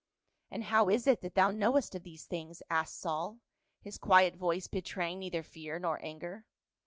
"And how is it that thou knowest of these things?" asked Saul, his quiet voice betraying neither fear nor anger.